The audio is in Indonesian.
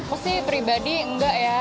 aku sih pribadi enggak ya